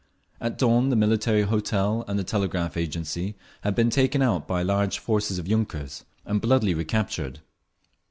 At dawn the Military Hotel and the Telegraph Agency had been taken by large forces of yunkers, and bloodily recaptured.